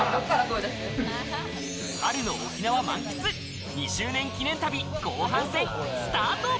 春の沖縄満喫２周年記念旅、後半戦スタート！